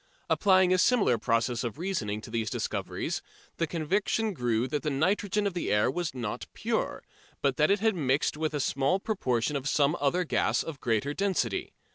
Applying a similar process of reasoning to these discoveries, the conviction grew that the nitrogen of the air was not pure, but that it had mixed with it a small proportion of some other gas of greater density.